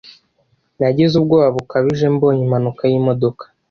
Nagize ubwoba bukabije mbonye impanuka y'imodoka.